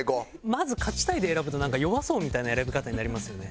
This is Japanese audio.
まず勝ちたいで選ぶと弱そうみたいな選び方になりますよね。